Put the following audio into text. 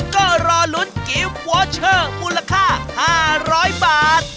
ก็รอลุ้นกิฟต์วอเชอร์มูลค่า๕๐๐บาท